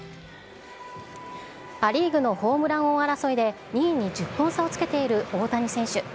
ア・リーグのホームラン王争いで２位に１０本差をつけている大谷選手。